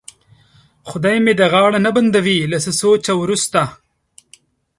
خدای مې دې غاړه نه بندوي، له څه سوچه وروسته.